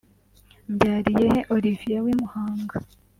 Mbyariyehe Olivier w’i Muhanga ……